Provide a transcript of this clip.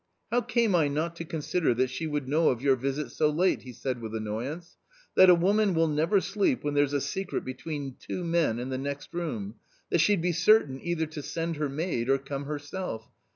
" How came I not to consider that she would know of your visit so late ?" he said with annoyance, " that a woman will never sleep when there's a secret between two men in the next room, that she'd be certain either to send her maid or come herself